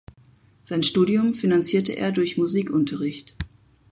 Sein Studium finanzierte er durch Musikunterricht.